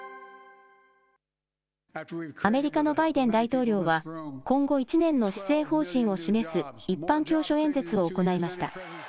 アメリカのバイデン大統領は、今後１年の施政方針を示す一般教書演説を行いました。